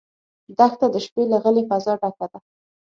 دښته د شپې له غلې فضا ډکه ده.